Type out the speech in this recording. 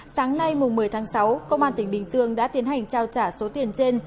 sáng nay một mươi tháng sáu công an tỉnh bình dương đã tiến hành trao trả số tiền trên